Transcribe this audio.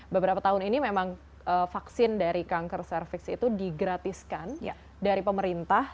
beberapa tahun ini memang vaksin dari kanker cervix itu digratiskan dari pemerintah